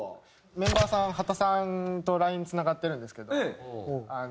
メンバーさん刄田さんとＬＩＮＥつながってるんですけど。